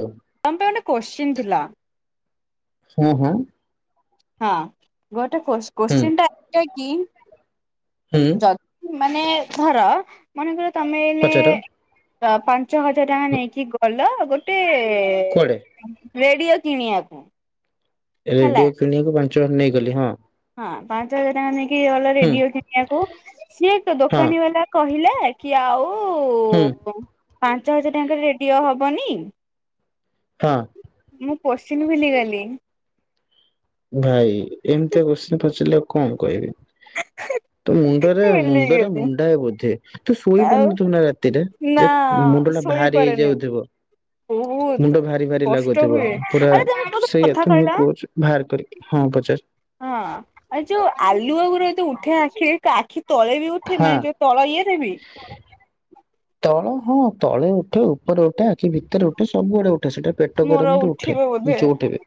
ହଁ ତମ ପାଇଁ ଗୋଟେ କୋଶ୍ଚିନ୍ ଥିଲା? ହୁଁ, ହୁଁ। ହଁ, ଗୋଟେ କୋଶ୍ ହୁଁ କୋଶ୍ଚିନ୍ ଟା, ଏଟା କି? ହୁଁ ଯ ମାନେ ଧର! ମନେକର ତମେ ଏଇନେ ପଚାର ପାଞ୍ଚ ହଜାର ଟଙ୍କା ନେଇକି ଗଲ। ଗୋଟ୍ କୁଆଡ଼େ? ରେଡିଓ କିଣିଆକୁ? ରେଡିଓ କିଣିଆକୁ ପାଞ୍ଚ ହର୍ ନେଇଗଲି। ହଁ, ହଁ, ପାଞ୍ଚ ହଜାର ଟଙ୍କା ନେଇକି ଗଲ ହୁଁ ରେଡିଓ କିଣିଆକୁ। ସିଏ ହଁ ଦୋକାନୀ ବାଲା କହିଲେ କି! ଆଉ ହୁଁ ପାଞ୍ଚ ହଜାର ଟଙ୍କାରେ ରେଡିଓ ହବନି? ହଁ। ମୁଁ ପୋଶ୍ଚିନ ଭୁଲି ଗଲି। ଭାଇ! ଏମିତିଆ କୋଶ୍ଚିନ୍ ପଚାରିଲେ, ଆଉ କଣ କହିବି? ତ ମୁଣ୍ଡରେ ମୁଣ୍ଡରେ ଭୁଲିଗଲି ମୁଣ୍ଡାଏ ବୋଧେ! ତୁ ଶୋଇ ଆଉ ପାରୁନଥିବୁ ନା ରାତିରେ? ନା ଏତ୍ ମୁଣ୍ଡ ଟା ଭାରି ଶୋଇପାରୁନି ହେଇଯାଉଥିବ! ବହୁତ ମୁଣ୍ଡ ଭାରି ଭାରି କଷ୍ଟ ଲାଗୁଥିବ। ହୁଏ ପୁରା ଆରେ ତମେ ମତେ ଗୋଟେ ସେଇଆ କଥା ତ, ମୁଁ କହିଲ କହୁଛି। ବାହାର କରିକି, ହଁ ପଚାର। ହଁ, ଆଉ ଯୋଉ ଆଲୁଅ ଗୁର ଦ ଉଠେ ଆଖି, ଆଖି ତଳେ ବି ଉଠେ ହଁ ମାନେ ଯଉ ତଳ ଇଏରେ ବି [inaudible] ତଳ ହଁ ତଳେ ଉଠେ ଉପରେ ଉଠେ। କି ଭିତରେ ଉଠେ, ସବୁଆଡେ ଉଠେ ସେଟା ପେଟ ମୋର ଗରମରେ ଉଠେ ଉଠିବ ବୋଧେ ଯୋଉଠି ବି।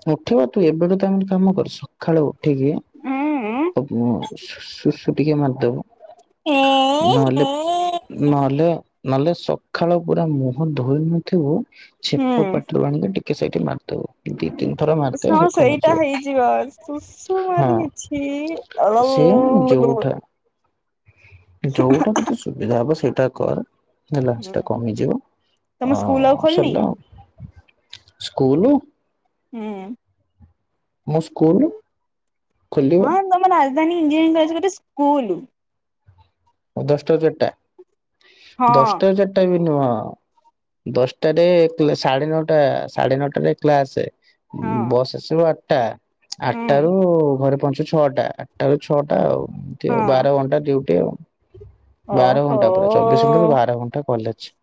ସେ ଉଠିବ ତୁ ଏବେଠୁ କାମ କାମ କର, ସ ସଖାଳୁ ଉଠିକି ଉଁ ତୋ ଶୁସୁ ଟିକେ ଏଁ ମାରିଦବୁ। ନହେଲେ ହେଁ ନହେଲେ ନହେଲେ ସଖାଳ ପୁରା ମୁହଁ ଧୋଇ ନଥିବୁ ହୁଁ। ଛିପ ପାଟିରୁ ଆଣିକି ଟିକେ ସେଇଟି ମାରିଦବୁ। ଦି ତିନି ଥର ମାରିଦେ ହଁ ହେ ସେଇଟା କମିଯିବ ହେଇଯିବ ହଁ। ସୁଷୁମାରି ଛି ସେ ଯୋଉଠା ଯୋଉଟା ତତେ ସୁବିଧା ହବ ସେଇଟା କର। ହେଲା ସେଟା କମିଯିବ ତମ ସ୍କୁଲ ଆଉ ଅ ଖୋଲିନି ସରିଲା। ଆଉ ସ୍କୁଲ ହୁଁ। ମୁଁ ସ୍କୁଲ ଖୋଲିବ ମାନେ ରାଜଧାନୀ ଇଞ୍ଜିନିୟରିଙ୍ଗ ହଉଚି ଗୋଟେ ସ୍କୁଲ। ଦଶଟାରୁ ଚାରିଟା, ହଁ ଦଶଟାରୁ ଚାରିଟା ବି ନୁହଁ। ଦଶଟାରେ ସାଢ଼େ ନଅଟା, ସାଢ଼େ ନଅଟାରେ କ୍ଲାସେ। ହଁ ବସ୍ ଆସିବ ଆଠଟା ହୁଁ ଆଠଟାରୁ ଘରେ ପହଞ୍ଚୁ ଛଅଟା, ଆଠଟାରୁ ଛଅଟା ଆଉ। ହଁ ବାର ଘଣ୍ଟା ଡିଉଟି ଆଉ, ବାର ଘଣ୍ଟା ପୁରା ଚବିଶ ଓହୋ। ଘଣ୍ଟାରୁ ବାର ଘଣ୍ଟା କଲେଜ।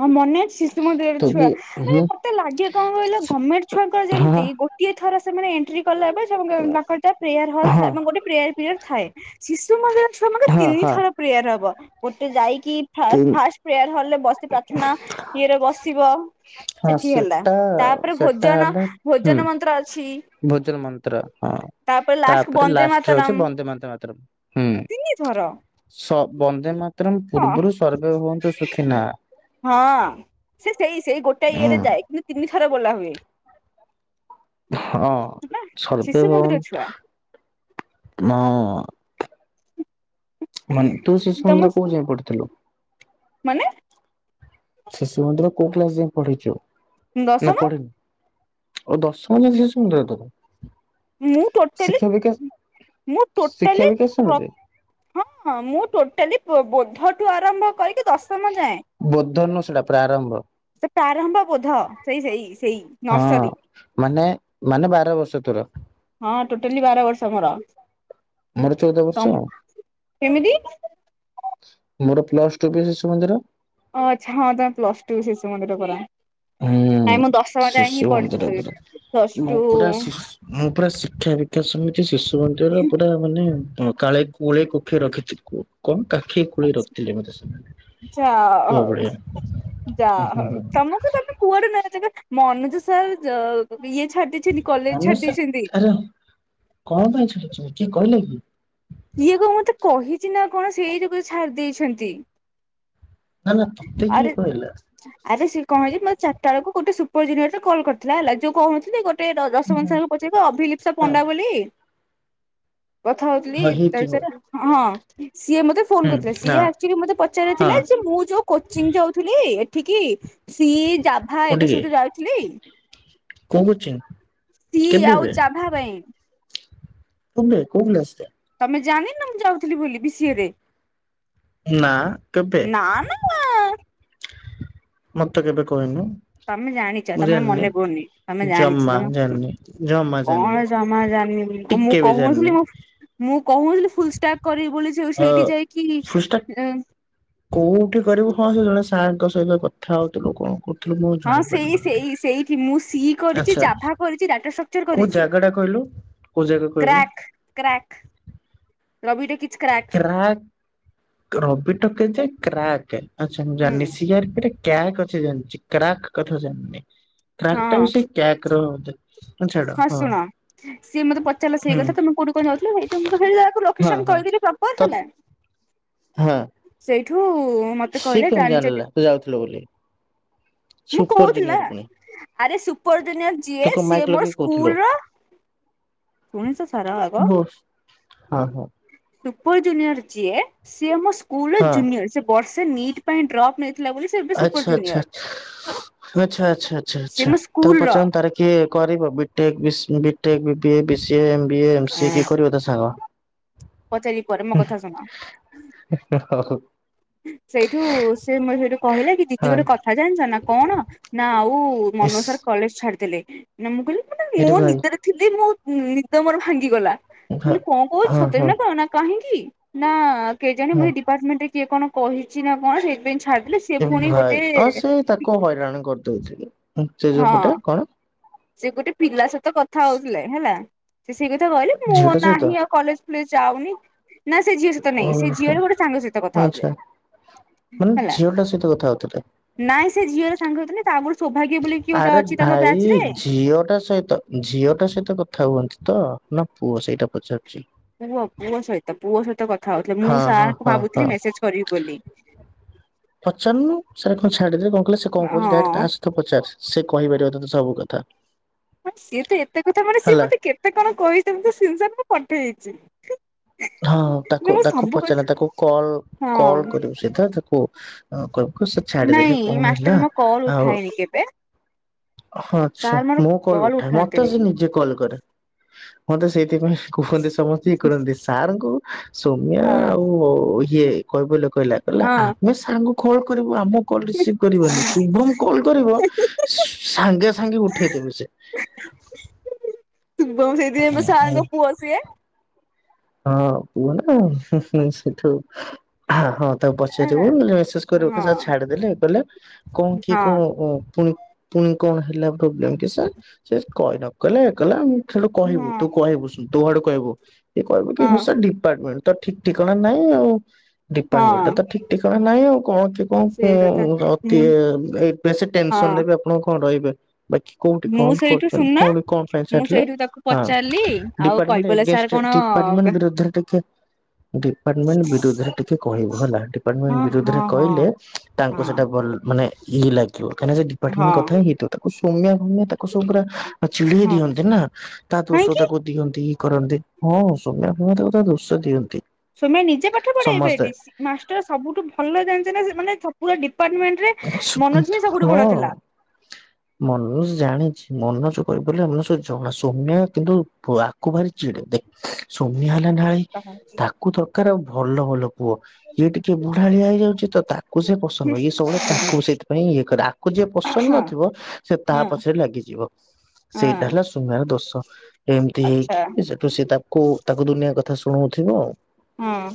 ହଁ ମନେ ଅଛି, ଶିଶୁ ମନ୍ଦିରର ତ ଛୁଆ ବି ମାନେ ହୁଁ ମତେ ଲାଗେ କଣ କହିଲ, ଗଭରମେଣ୍ଟ ଛୁଆଙ୍କ ହଁ ଯେମିତି ଗୋ ଗୋଟିଏ ଥର ସେମାନେ ଏଣ୍ଟ୍ରି କଲା ପରେ [unintelligible] ତାଙ୍କର ପ୍ରେୟାର ହଲ ହଁ ଥାଏ, ଏବଂ ଗୋଟେ ପ୍ରେୟାର ପିରିୟଡ୍ ଥାଏ। ଶିଶୁ ମନ୍ଦିର ଛୁଆମାନଙ୍କର ହଁ ହଁ ତିିନିଥର ପ୍ରେୟାର ହବ, ଗୋଟେ ଯାଇକି ଫା ତିନ୍ ଫାଷ୍ଟ ପ୍ରେୟାର ହଲରେ ବସି ପ୍ରାର୍ଥନା ଇଏରେ ବସିବ। ହଁ ସେଠି ଗଲା, ସେଟା ତାପରେ ସେଟା ଭୋଜନ ହେଲା ହୁଁ ଭୋଜନ ମନ୍ତ୍ର ଅଛି। ଭୋଜନ ମନ୍ତ୍ର ହଁ। ଲାଷ୍ଟକୁ ତାପରେ ବନ୍ଦେ ଲାଷ୍ଟରେ ମାତରମ୍ ହଉଛି ବନ୍ଦେ ମ ମାତରମ୍ ହୁଁ। ତିନି ଥର ସ ବନ୍ଦେ ମାତରମ୍ ହଁ ପୂର୍ବରୁ ସର୍ଭେ ଭବନ୍ତୁ ସୁଖୀନ। ହଁ ସେ ସେଇ ସେଇ ଗୋଟେ ଇଏରେ ଯାଏ, କିନ୍ତୁ ତିନି ଥର ବୋଲା ହୁଏ। ହଁ ହେଲା ସର୍ବେ ଶିଶୁ ମନ୍ଦିର ଛୁଆ ଭବନ୍ତୁ ନା। ମାନେ ତୁ ଶିଶୁ ତମ ମନ୍ଦିର କୋଉ ଯାଏଁ ପଢ଼ିଥିଲୁ? ମାନେ? ଶିଶୁ ମନ୍ଦିର କୋଉ କ୍ଲାସ୍ ଯାଏଁ ପଢ଼ିଛୁ ନା ଦଶମ ପଢ଼ିନୁ? ଓ ଦଶମ ଯାଏ ଶିଶୁମନ୍ଦିର ତୋର। ମୁଁ ଟୋଟାଲି ଶିକ୍ଷା ବିକାଶ ମୁଁ ଶିକ୍ଷା ଟୋଟାଲି ବିକାଶ ପ୍ର ସମିତି ହଁ ମୁଁ ଟୋଟାଲି ପୋ ବୋଧଠୁ ଆରମ୍ଭ କରିକି, ଦଶମ ଯାଏଁ। ବୋଧ ନୁହଁ ସେଇଟା ପ୍ରାରମ୍ଭ। ସେ ପ୍ରାରମ୍ଭ ବୋଧ ସେଇ ସେଇ ସେଇ। ହଁ ନର୍ସରୀ ମାନେ, ମାନେ ବାର ବର୍ଷ ତୋର। ହଁ ଟୋଟାଲି ବାର ବର୍ଷ ମୋର। ମୋର ଚଉଦ ବର୍ଷ ତମ ଆଉ। କେମିତି ମୋର ପ୍ଲସ ଟୁ ବିି ଶିଶୁମନ୍ଦିର। ଓ ଆଚ୍ଛା ହଁ ତମେ ପ୍ଲସ ଟୁ ବି ଶିଶୁମନ୍ଦିର ପରା। ହୁଁ ପଢିଛି ଶିଶୁମନ୍ଦିର ତୋର। ପ୍ଲସ ମୁଁ ଟୁ ପୁରା [unintelligible] ମୁଁ ପୁରା ଶିକ୍ଷା ବିକାଶସମିତି ଶିଶୁ ମନ୍ଦିରର ପୁରା ମାନେ କାଳେଇ କୋଳେଇ କୋଖେଇ ରଖିଛି କୋ କଣ କାଖେଇ କୋଳେଇ ଆଚ୍ଛା ରଖିଥିଲେ ମତେ ସେମାନେ, ପୁଅ ଭଳିଆ। ଯାହା ହଉ ତମକୁ ତ କୁଆଡ଼େ ନ ଜାଗା, ମନୋଜ ସାର୍ [unintelligible] ଇଏ ଛାଡ଼ି ଦେଇଛନ୍ତି। କଲେଜ ମନୋଜ ଛାଡି ଦେଇଛନ୍ତି ସାର୍ ଆରେ କଣ ପାଇଁ ଛାଡ଼ିଚନ୍ତି, କିଏ କହିଲା କିଏ? କିଏ କଣ ମତେ କହିଛି ନା କଣ, ସେଇ ଯୋଗୁ ଛାଡ଼ି ଦେଇଛନ୍ତି। ନା ନା ତତେ କିଏ ଆରେ କହିଲା? ଆରେ ସିଏ କଣ ହେଇଛି, ମୋର ଚାରିଟା ବେଳକୁ ଗୋଟେ ସୁପରଜୁନିୟରରେ କଲ୍ କରିଥିଲା ହେଲା, ଯୋଉ କହୁନଥିଲି ଗୋଟେ ଗୋଟେ ହୁଁ, ଯଶବନ୍ତ ହୁଁ, ସାରଙ୍କୁ ପଚାରିବ ଅଭିଲିପସା ହଁ ପଣ୍ଡା ବୋଲି କଥା ହଉଥିଲି। ହଁ ତା ହେଇଥିବ ବିଷୟରେ ହଁ ହଁ ସିଏ ମତେ ଫୋନ ହୁଁ କରିଥିଲା, ହଁ ସିଏ ଆଚୁଆଲି ମତେ ହଁ ପଚାରଥିଲା ଯେ ମୁଁ ଯୋଉ କୋଚିଂ ଯାଉଥିଲି ଏଠିକି, ସି ଜାଭା ଏଗ କୋଉଠିକି? ସବୁୁ ଯାଉଥିଲି। କୋଉ କୋଚିଂ ସି ଆଉ କେବେବେ ଚାଭା ପାଇଁ। ତମେ କଉ କ୍ଲାସ୍ ରେ? ତମେ ଜାଣିନ ନା ମୁଁ ଯାଉଥିଲି ବୋଲି ବି ସିଏ ରେ। ନା କେବେ ନା ମୁଁ ଆଁ ମତେ କେବେ କହିନୁ। ତମେ ଜାଣିଛ, ମୁଁ ତମର ଜାଣିନି। ମନେ ପଡୁନି, ତମେ ଜାଣିଛ ଜମା ତମେ ଜାଣିନି ଜମା ଜାଣିନି କଣ ଜମା ଜାଣିନି ବୋଲି ମୁଁ ଟିକେ ବି କହୁ ନ ଜାଣିନି ଥିଲି, ମୁଁ କହୁନଥିଲି ଫୁଲ ଷ୍ଟାକ୍ କରିବି ବୋଲି। ଯଉ ଅ ସେଇଠି ଯାଇକି ପୃଷ୍ଠା, କୋଉଠି କରିବୁ ହଁ ସେ ଜଣେ ସାର୍ ଙ୍କ ସହିତ କଥା ହଉଥିଲୁ। କଣ କୁ ଥିଲ ମୁଁ ହଁ ଜଣ ସେଇ ପାରିବନ ସେଇ ସେଇଠି ମୁଁ ସି ନାଇ କରିଛି ଆଛା ଜାଭା କରିଛି ଡାଟା ଷ୍ଟ୍ରକ୍ଚର କୋଉ କରିଛି ଜାଗା ଟା କହିଲୁ? ପୂଜା କୁ କହିଲି। Crack crack Ravi talkies crack. Crack, Ravi ଟକେଇଥା କ୍ରାକ୍, ଆଛା ମୁ ହୁଁ ଜାଣିନି ସି ଆର ପି ରେ କ୍ୟାକ୍ ଅଛି ଜାଣିଛି, କ୍ରାକ୍ କଥା ଜାଣିନି, ହଁ କ୍ରାକ୍ ଟା ବି ସେ କ୍ରାକ୍ ରହ ତ ଛାଡ ହଁ। ସିଏ ମତେ ପଚାରିଲା ସେଇ ହୁଁ କଥା, ତମ କଉଠି କଣ ଯାଉଥିଲ? [unintelligible] ମୁଁ ଯାକୁ ଲୋକସନ କରିଦେଲି ତତ ହଁ। ସେଇଠୁ ମତେ ସେ କହିଲେ କେମିତି ଜାଣିଛ ଜାଣିଲା ତୁ ଯାଉଥିଲୁ ବୋଲି, ମୁଁ ସୁପର କହୁଥିଲା ଜୁନିୟର ପୁଣି। ଆରେ ସୁପରଜୁନିୟର ତୁ ଯିଏ, କଣ ମାଇକ୍ ସିଏ ମୋର ଲଗେଇକି କହୁଥିଲୁ ସ୍କୁଲ ର ବୋସ୍ ହଁ [unintelligible] ହଁ। ସୁପର ଜୁନିୟର ଯିଏ, ସିଏ ମୋ ସ୍କୁଲ ହଁ ଜୁନିୟର ସେ ବର୍ଷେ ନିଟ୍ ପାଇଁ ଡ୍ରପ୍ ନେଇଥିଲା ବୋଲି ସେ ଏବେ ସୁପର ଆଛା ଆଛା ଜୁନିୟର। ଆଛା ଆଛା ଆଛା ସେ ଆଛା ମୋ ତାକୁ ସ୍କୁଲ ର ପଚାର ତା କିଏ କରିବ ବିଟେକ୍ ବି ବିଟେକ୍ ବିଏ ବି ସ ଏମ୍ ବିଏ ଏମ ସିଏ କି କରିବ ତା ସାଙ୍ଗ। ପଚାରିବି ପରେ ମୋ କଥା ଶୁଣ? ହଁ ସେଇଠୁ ସେ ମୋ ସେଇଠୁ କହିଲା କି ଦିଦି ଗୋଟେ କଥା ଜାଣିଛ ନା, କଣ? ନା ଆଉ ମନୁ ଇସ୍ ସାର୍ କଲେଜ ଛାଡିଦେଲେ, ମୁଁ କହିଲି ମାନେ ମୋ ଏରେ ଭାଇ ନିଦରେ ଥିଲି, ମୁଁ ନିଦ ମୋର ଭାଙ୍ଗିଗଲା ଭା ମୁଁ କହିଲି କଣ ହଁ କହୁ ହଁ କାହିଁକି? ନା କେଜାଣି ମୁ ହଁ ଆପାର୍ଟମେଣ୍ଟ ରେ କିଏ କଣ କହିଛି ନା କଣ? ସେଥିପାଇ ଛାଡ଼ିଦେଲେ। ଏ ଭାଇ, ଆଉ ସେ ତାକୁ ହଇରାଣ କରିଦଉଥିଲି ସେ ଯୋଉ ହଁ ପଟେ କଣ ସେ ଗୋଟେ ପିଲା ସହିତ କଥା ହଉଥିଲେ ହେଲା, ସେ ସେଇ କଥା କହିଲେ ମୁଁ ଝିଅଟା ସହିତ ନାହିଁ ଆଉ କଲେଜ ଯାଉନି, ନା ସେ ଝିଅ ସହିତ ନାହିଁ, ସେ ଓହୋ ଝିଅରେ ଗୋଟେ ସାଙ୍ଗ ସହିତ କଥା ଆଚ୍ଛା ହଉଥିଲେ। ମାନେ ହେଲା ଝିଅ ଟା ସହିତ କଥା ହଉଥିଲେ। ନାଇଁ ସେ ଝିଅର ସାଙ୍ଗ ଥିଲେ ତା [unintelligible] ବୋଲି କିଏ ଗୋଟେ ଆରେ ଅଛି ତାଙ୍କ ବ୍ୟାଚ୍ ଭାଇ ରେ ଝିଅ ଟା ସହିତ ଝିଅ ଟା ସହିତ କଥା ହୁଅନ୍ତି ତ, ନା ପୁଅ ସେଇଟା ପଚାରୁଛି। ପୁଅ, ପୁଅ ସହିତ ପୁଅ ସହିତ କଥା ହଉଥିଲେ। ମୁଁ ହଁ ହଁ ସାର୍ ଙ୍କୁ ହଁ ହଁ ଭାବୁଥିଲି ମେସେଜ କରିବି ବୋଲି। ପଚାରୁନୁ, ସେ କ ଛାଦେ କିଲେ ସେ କଣ କହୁଛି ହଁ। ଡ ପଚାର, ସେ କହିପାରିବ ତ ତ ସବୁ କଥା। ହଁ ସିଏ ତ ଏତେ କଥା ମାନେ ସିଏ ହେଲା। ମତେ କେତେ କଣ କହିଥା [unintelligible] ମୁଁ ପଠେଇ ଦେଇଛି। ହଁ ତାକୁ ତାକୁ ପଚାରିଲେ ତାକୁ କଲ କଲ ହଁ କରିବୁ ସିଧା ତାକୁ ଅଙ୍କଲ କୁ ସେ ଛାଡିଦେଲେ ନାଇଁ କଣ ମାଷ୍ଟର ହେଲା? ମୋ କଲ୍ ଆଉ ଉଠାଏନି କେବେ ଆଛା, ସାର୍ ମୋର ମୁଁ କଲ କଲ୍ ଉଠାଏ, ମତେ ସେ ଉଠାନ୍ତିନି। ନିଜେ କଲ କରେ ମୋତେ ସେଇଥିପାଇଁ କୁହନ୍ତି ସମସ୍ତି ଇ କରନ୍ତି ସାର୍ ଙ୍କୁ ସୋମ୍ୟା ହଁ ଆଉ ଇଏ କଇବଲ୍ୟ କଇଲା କଇଲା ହଁ ଆମେ ସାଙ୍ଗ କଲ୍ କରିବୁ ଆମ କଲ୍ ରିସିଭ କରିବନି ଶୁଭମ କଲ୍ କରିବ ସ ଥାଙ୍ଗେ ସାଙ୍ଗେ ଉଠେଇଦେବେ ସେ। ସୁବମ ସେଇତି ପାଇଁ ପା ମୁଁ ସାର୍ ଙ୍କ ପୁଅ ସିଏ। ହଁ ପୁଅ ନା ସେ ସେ ସେଇଠୁ ହା ହଁ ତାକୁ ପଚାରିବୁ ହେଲା। ଲେ ସେସ୍ କୟାର ଓକେ ହଁ ସାର୍ ଛାଡିଦେଲେ ଏ କଲେ କଣ କିଏ ହଁ କଣ ଅ ପୁ ପୁଣି କଣ ହେଲା ପ୍ରୋବ୍ଲେମ କି ସାର୍ ସେ କହି ନ କଲେ କ ଆମ ସେଠୁ କହିବୁ ହଁ ତୁ କହିବୁ ସ ତ ଆଡୁ କହିବୁ ଏ କହିବୁ କି ହ ହଁ ସୁ ଡିପାର୍ଟମେଣ୍ଟ ତ ଠିକ ଠିକଣା ନାଇଁ ଆଉ ଡିପାର୍ଟମେଣଟା ତ ହଁ ଠିକ ଠିକଣା ନାଇଁ ଆଉ କଣ କି କଣ ସେଇ କଥା ଉଁ ସ ମୁଁ ଟିଏ ଏ ବେଶି ଟେନସନ ହଁ ନେବେ ଆପଣ କଣ ରହିବେ ବା କି କୋଉଠି କ ମୁଁ ସେଇଠୁ କରୁଛନ୍ତି ଶୁଣୁନ କଉଠି କଣ ପାଇଁ ମୁଁ ଛାଡିଥିଲେ ସେଇଠୁ ତାକୁ ହ ପଚାରିଲି ଆଉ ଡିପାର୍ମଣ୍ଟ କୈବଲ୍ୟ ସାର୍ ଏଗନଷ୍ଟ ରେ କଣ ଟି ପାଡବିମାନ୍ ବିରୁଦ୍ଧରେ ଟିକେ ଡିପାର୍ଟମେଣ୍ଟ ବିରୁଦ୍ଧରେ ଟିକେ କହିବୁ ହେଲା ହଁ ଡିପାର୍ଟମେଣ୍ଟ ବିରୁଦ୍ଧରେ ହଁ ହଁ କହିଲେ ତାଙ୍କୁ ହଁ ସେଇଟା ଭଲ ମାନେ ଇଏ ଲାଗିବ କାହିଁନା ସେ ଡିପାର୍ଟମେଣ୍ଟ ହଁ କଥା ହିଁ ହେଇଥିବ ତାକୁ ସୌମ୍ୟ ତାକୁ ସବୁ ପୁରା ଆ ଚିଡେଇ ହଁ ଦିଅନ୍ତି ନା ତା ଦୋଷ କାହିଁକି ତାକୁ ଦିଅନ୍ତି ଇ କରନ୍ତି ହଁ ସତ ସୌମ୍ୟା ଫମ୍ୟା ତାକୁ ତା ଦୋଷ ଦିଅନ୍ତି ସୋମ୍ୟା ନିଜେ ପାଠ ସମସ୍ତେ ପଢେଇବେଡି ସି ମାଷ୍ଟର ସବୁଠୁ ଭଲ ଜାଣିଛ ନା ସେ ମାନେ ସ ପୁରା ଡିପାର୍ଟମେନ ନ୍ ରେ ମୋନଜ ହିଁ ସବୁଠୁ ବଡ଼ ହଁ ଥିଲା। ମନୋଜ ଜାଣିଛି ମନୋଜ କହିବୁ ବଲେ ଆମ ସହ ଝଗଲା ସୌମ୍ୟା କିନ୍ତୁ ପୁଆ ତାକୁ ଭାରି ଚିଡ଼େ ଦେଖ ସୌମ୍ୟା ହେଲା ନାଳେଇ ହଁ ତାକୁ ଦରକାର ଆଉ ଭଲ ଭଲ ପୁଅ ଇଏ ଟିକେ ବୁଢାଳିଆ ହେଇଯାଉଛି ତ ତାକୁ ସେ ପସନ୍ଦ ନ ଇଏ ସବୁବେଳେ ତାକୁ ସେଇଥିପାଇଁ ଇଏ କରେ ଆକୁ ଯିଏ ପସନ୍ଦ ନଥିବ ସେ ତା ପଛରେ ଲାଗିଯିବ। ସେଇଟା ହଁ ହେଲା ସୌମ୍ୟା ର ଦୋଷ ଏମିତି ଆଚ୍ଛା ହେଇକି ସେ ତ ସେ ତାକୁ ତାକୁ ଦୁନିଆ କଥା ଶୁଣଉଥିବ ଆ ହଁ।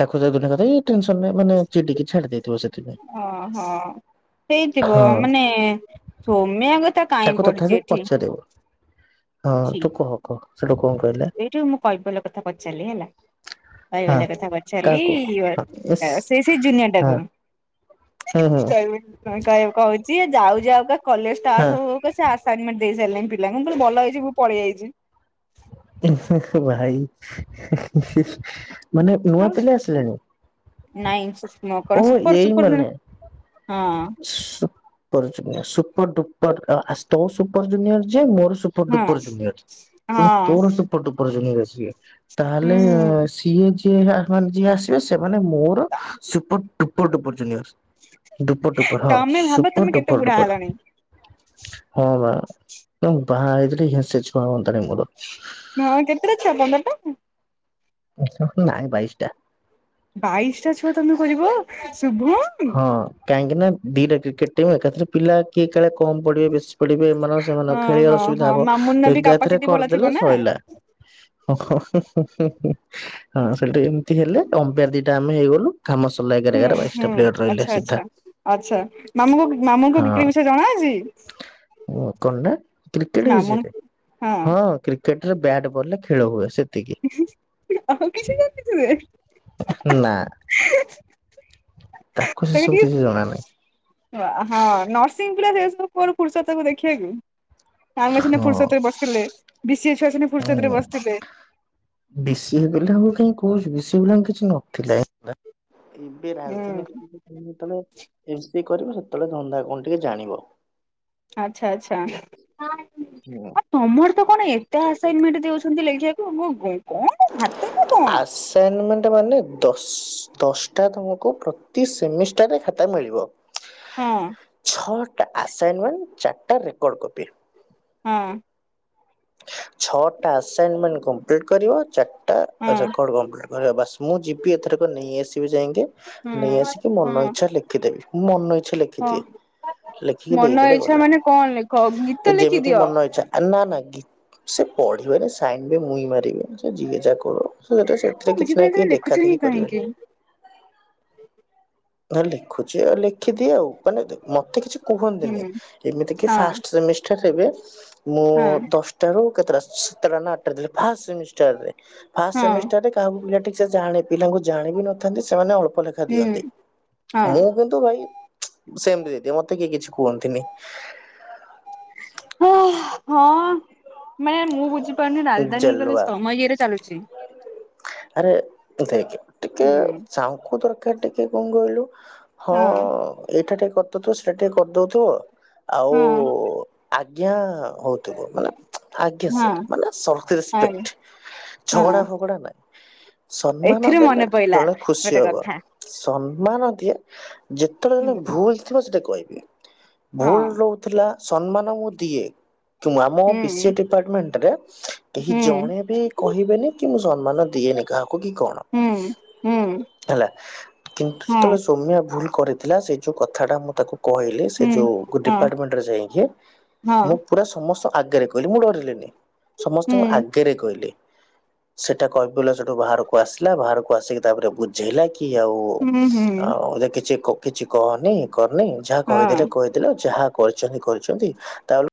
ତାକୁ ତ ଦୁନିଆ କଥା ୟେ ଟେନସନ ରେ ମାନେ ଚିଡିକି ଛାଡି ଦେଇଥିବ ସେଥିପାଇଁ। ହଁ ହଁ। ହେଇଥିବ ହଁ। ମାନେ ସୋମ୍ୟା କଥା କାହିଁ ତାକୁ ତଥାପି ପଡିଛି ଏଠି ପଚାରିବ ହଁ ତୁ କହ କହ ସେଠୁ କଣ କହିଲେ? ଏଇଠୁ ମୁଁ କୈବଲ୍ୟ କଥା ପଚାରିଲି ହେଲା। ହଁ କୈବଲ୍ୟ କଥା କାହାକୁ ପଚାରିଲି ଏସ ଆ ସେ ସେ ଜୁନିୟର ହଁ ଟାକୁ। ହଁ [unintelligible] କହ କହୁଛି ଯାଉ ଯାଉକା କଲେଜ ହଁ ଷ୍ଟାର୍ଟ ହଉ ହଉ କା ସେ ଆସ ସରମେଣ୍ଟ ଦେଇ ସାରିଲେଣି ପିଲାଙ୍କୁ ମୁଁ କହିଲି ଭଲ ହେଇଛି ମୁ ପଳେଆଇଚି। ଭାଇ। ମାନେ ନୂଆ ପିଲା ଆସିଲେଣି ନାଇଁ କଣ ଓ ସୁପର ଏଇ ସୁପର ମାନେ। ହଁ। ସୁପର ଜୁନିୟର ସୁପର ଡୁପର ଆ ତ ତୋ ସୁପର ଜୁନିୟର ଯେ ମୋର ସୁପର ହଁ ଡୁପର ଜୁନିଅର ପୁଣି ହଁ ତୋର ସୁପର ଡୁପର ଜୁନିଅର ସିଏ ତାହେଲେ ହୁଁ ସେ ଇଏ ଯିଏ ଆ ମାନେ ଯିଏ ଆସିବେ ସେମାନେ ମୋର super duper duper junior. Duper duper ହଁ ତମେ ଭାବ ତମେ ସୁପର କେତେ ଡୁପର ବୁଢା ଡୁପର। ହେଲାଣି ହଁ ବା ଉଁ ବାହା ହେଇଥିଲେ ୟେ ସେଜ୍ କଣ ହୁଅନ୍ତାଣି ମୋର। ହଁ କେତେଟା ଛୁଆ ପନ୍ଦର ଟା? ନାଇ ବାଇଶଟା। ବାଇଶ ଟା ଛୁଆ ତମେ କରିବ ଶୁଭୁ ହଁ କାହିଁକି ନା ଦିଟା କ୍ରିକେଟ ଟିମ ଏକା ଥରେ ପିଲା କିଏ କାଳେ କମ ପଡିବେ ବେଶି ପୁଲିବେ ଏମାନଙ୍କର ସେମାନେ ହଁ ହଁ ଖେଳିବାର ହଁ ସୁବିଧା ହବ ମାମୁନର ବି ଏକା ଥରେ କାପାସିଟି ଭଲ ଥିବ କରିଦେଲେ ନା ସଇଲା ହଁ ହଁ ହୁଁ ହୁଁ ହୁଁ ହୁଁ ହଁ ସେଠି ହେଲେ ଓ଼ମ୍ପଏର ଦିଟା ଆମେ ହେଇଗଲୁ କାମ ସରିଲା ଏଗାରଟା ହୁଁ ଏଗାରଟା ବାଇଶଟ ହୁଁ ଆଚ୍ଛା ଆଚ୍ଛା ଆଚ୍ଛା ମାମୁ କ ମାମୁଁଙ୍କୁ କ୍ରିକେଟ ବିଷୟ ଜଣାଅଛି। ଓ କଣ ନା କ୍ରିକେଟ ମାମୁଁ ବିଷୟରେ ହଁ। କ୍ରି କେଟ ରେ ବାଟ୍ ବଲ ରେ ଖେଳ ହୁଏ ସେତିକି। ଆଉ କିଛି ଜାନିଥିବେ? ନା। ତାକୁ ସେ ସବୁ କିଛି ଜଣା ନାହିଁ। ହଁ ନର୍ସିଂ ପିଲା ସେ ସବୁ କୁଆଡୁ ଫୁର୍ସତ ହବ ଦେଖିବାଆକୁ ଆମେ ସିନା ହଁ। ଫୁର୍ସତ ରେ ବ ଥିଲେ ବି ସି ଏ ଝୁଆ ସିନା ଫୁର୍ସତ ରେ ବସିଥିଲେ। ବି ସି ଏ ପିଲାଙ୍କୁ କାଇଁ କହୁଚୁ ବି ସି ଏ ପିଲାଙ୍କର କିଛି ନ [inaudible] ଏବେ ରାଜଧାନୀ ହୁଁ ଯେତେବେଳେ ବେଜିତ୍ କରିବ ସେତେବେଳେ ଧନ୍ଦା କଣ ଟିକେ ଜାଣିବ। ଆଛା ଆଚ୍ଛା। ହୁଁ। ଆଉ ତମର ତ କଣ ଏତେ ଆସାଇନମେଣ୍ଟ ଦଉଛନ୍ତି ଲେଖିବାକୁ କଣ ହାତ ନା କଣ? [unintelligible] ମାନେ ଦଶ୍ ଦଶଟା ତମକୁ ପ୍ରତି ସେମିଷ୍ଟାରରେ ଖାତା ମିଳିବ। ହଁ ଛଅଟା ଆସାଇନମେଣ୍ଟ ଚାରିଟା ରେକଡ କପି। ହଁ। ଛଅଟା ଆସାଇନିମେଣ୍ଟ କମ କମ୍ପ୍ଲିଟ କରିବ ଚାରିଟା ହଁ ରେକର୍ଡ଼ କମ୍ପ୍ଲିଟ୍ କର ବାସ୍ ମୁଁ ଯିବି ଏଥରକ ନେଇଆସିବି ଯାଇକି। ନେଇ ହୁଁ ଆସିକି ମନ ହଁ ଇଚ୍ଛା ଲେଖିଦେବିଁ ମନ ଇଚ୍ଛା ହଁ। ଲେଖିଦିଏ। ଲେଖିକି ମନ ଦେଇଦେଲେ ଇଚ୍ଛା ଗଲା। ମାନେ କଣ ଲେଖ ଏ ଗୀତ ଯେମିତି ଲେଖିଦିଅ। ମନ ଇଛା ନା ନା ଗୀ ସେ ପଢିବେ ନା ସାଇନେ ମୁଇଁ ମାରିବେ ସେ ଜିଏ ଯାହା କରୁ ସେଟା ସେ ମୁଁ ରେ କିଛି ବୁଝିପାରୁନି ନାହିଁ ତମେ କେହି ଲେଖୁଛ ଦେଖା ହିଁ ଦେଖି କାହିଁକି କରିବେନି। ନା ଲେଖୁଛି ଲେଖିଦିଏ ଆଉ ମାନେ ମତେ କିଛି କୁହନ୍ତିନି ହୁଁ ଯେମିତି କି ହଁ ଫାଷ୍ଟ୍ ସେମି ଠାରେ ହେବେ ମୁଁ ହଁ ଦସ୍ ଟାରୁ କେତୋଟା ସାତଟା କି ଆଠଟା ଥିଲା ଫାର୍ଷ୍ଟ ସେମିଷ୍ଟାରରେ? ଫାର୍ଷ୍ଟ ହଁ ସେମିଷ୍ଟାରରେ କାହାକୁ ପିଲା ଠିକ୍ ସେ ଜାଣି ପିଲାଙ୍କୁ ଜାଣ ବିି ନଥାନ୍ତି ସେମାନେ ଅଳ୍ପ ଲେଖା ହୁଁ ଦିଅନ୍ତି। ମୁଁ ହଁ। କିନ୍ତୁ ଭାଇ ସେମତି ଦେଇଦିଏ ମତେ କେହି କିଛି କୁହନ୍ତିନି। ହଁ ମାନେ ମୁଁ ବୁଝିପାରୁନି ରାଜଧାନୀ ଗଲେ ଜେଲୱା। ସମୟ ଇଏରେ ଚାଲୁଛି। ଆରେ ଦେଖେ ଟିକେ ହୁଁ ଚାଙ୍କୁ ଦରକାର ଟିକେ କଣ କହିଲୁ। ହଁ ଏଇଟା ଟିକେ କରିଦଉଥିବ ସେଟା ଟିକେ କରିଦଉଥିବ ଆଉ ହଁ ଆଜ୍ଞା ହଉଥିବ। ଆଜ୍ଞା ହଁ ସାର୍ ମାନେ ଆରେ ସଲଫରେଷ୍ପେକ୍ଟ ହଁ ଝଗଡା ଫଗଡା ନାଇଁ। ସମ୍ମାନ ଏଥିରେ ଦେଲେ ମନେ ପଇଲା ଜଣେ ଖୁସି ଗୋଟେ ହବ। କଥା ସମ୍ମାନ ଦିଏ ଯେତେବେଳେ ହୁଁ ଜଣ ଭୁଲ ଥିବ ସେଟା କହିବି। ହଁ ଭୁଲ ରହୁଥିଲା ସମ୍ମାନ ମୁଁ ଦିଏ। କି ଆମ ପି ସିଏ ହୁଁ ଡିପାର୍ଟମେଣ୍ଟ ରେ କେହି ହୁଁ ଜଣେ ବି କହିବେନି କି ମୁଁ ସମ୍ମାନ ଦିଏନି କାହାକୁ କି କଣ ହୁଁ ହୁଁ ହେଲା କିନ୍ତୁ ହଁ ସେତେବେଳେ ସୋମ୍ୟା ଭୁଲ କରିଥିଲା ସେ ଯୋଉ କଥାଟା ମୁଁ ତାକୁ କହିଲି ସେ ହୁଁ ଯୋଉ ହଁ ଡିପାର୍ଟମେଣ୍ଟରେ ଯାଇକି ହଁ ମୁଁ ପୁରା ସମସ୍ତ ଆଗରେ କହିଲି ମୁଁ ଡରିଲିନି ହୁଁ ସମସ୍ତଙ୍କ ଆଗରେ କହିଲି। ସେଟା କହିବୁ ଲ ସେଠୁ ବାହାରକୁ ଆସିଲା ବାହାରକୁ ଆସିକି ତାପରେ ବୁଝେଇଲା। କି ଆଉ ହୁଁ ହୁଁ କିଛି କିଛି କହନି କରନି ଯାହା ହଁ କହିଦେଲେ କହି ଯାହା କରିଛନ୍ତି କରିଛନ୍ତି ତାଅଲ